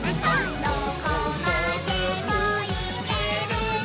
「どこまでもいけるぞ！」